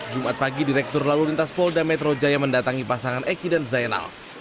jumat pagi direktur lalu lintas polda metro jaya mendatangi pasangan eki dan zainal